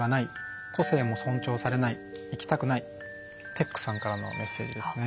テックさんからのメッセージですね。